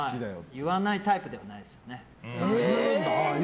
言わないタイプではないですね。